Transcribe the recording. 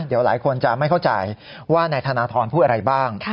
เดี๋ยวหลายคนจะไม่เข้าใจว่านายธนทรพูดอะไรบ้าง